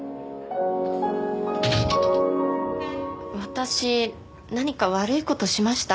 私何か悪い事しました？